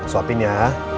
aku suapin ya